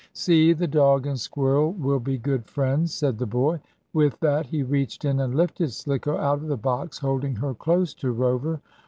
"See, the dog and squirrel will be good friends," said the boy. With that he reached in and lifted Slicko out of the box, holding her close to Rover.